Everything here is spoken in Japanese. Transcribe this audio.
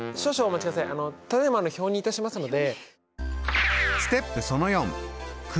ただいま表にいたしますので。